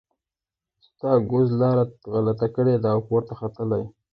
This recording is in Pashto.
ستا ګوز لاره غلطه کړې ده او پورته ختلی.